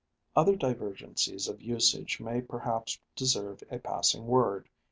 Other divergencies of usage may perhaps deserve a passing word.